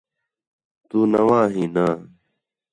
تُو نَواں ہی نہ